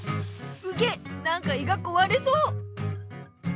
うげっなんか胃がこわれそう。